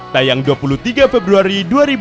tayang dua puluh tiga februari dua ribu dua puluh